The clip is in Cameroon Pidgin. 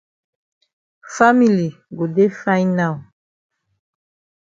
Family go dey fine now.